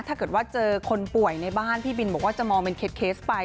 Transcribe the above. ถ้าเกิดว่าเจอคนป่วยในบ้านพี่บินบอกว่าจะมองเป็นเคสไป